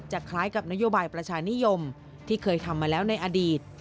คล้ายกับนโยบายประชานิยมที่เคยทำมาแล้วในอดีต